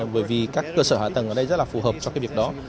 bởi vì các cơ sở hạ tầng ở đây rất là phù hợp cho cái việc đó